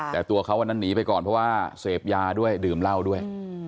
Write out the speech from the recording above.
แต่ตัวเขาวันนั้นหนีไปก่อนเพราะว่าเสพยาด้วยดื่มเหล้าด้วย